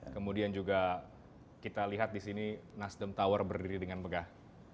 kemudian juga kita lihat di sini nasdem tower berdiri dengan megah